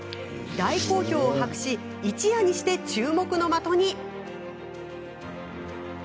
大好評を博し一夜にして注目の的に。